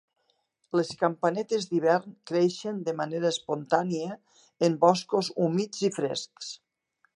Les campanetes d'hivern creixen de manera espontània en boscos humits i frescs.